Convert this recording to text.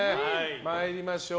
参りましょう。